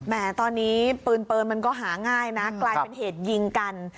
แม้ตอนนี้ปืนมันก็หาง่ายนะกลายเป็นเหตุยิงกัน